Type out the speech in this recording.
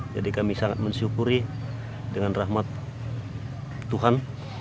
jadi kami sangat bersyukur dengan rahmat tuhan